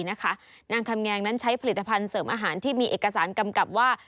นางคำแงงนั้นใช้ผลิตภัณฑ์เสริมอาหารที่มีเอกสารกำกับว่า